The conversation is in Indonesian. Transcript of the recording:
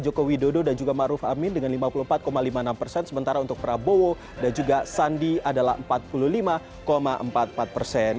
jokowi dodo dan juga maruf amin dengan lima puluh empat lima puluh enam persen sementara untuk prabowo dan juga sandi adalah empat puluh lima empat puluh empat persen